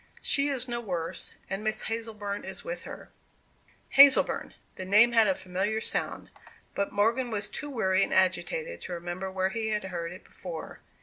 "She is no worse; and Miss Hazleburn is with her." Hazleburn! The name had a familiar sound; but Morgan was too weary and agitated to remember where he had heard it before.